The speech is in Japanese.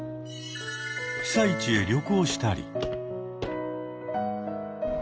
被災地へ旅行したり。